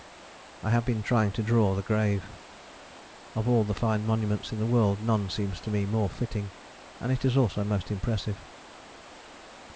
I have been trying to draw the grave. Of all the fine monuments in the world none seems to me more fitting; and it is also most impressive.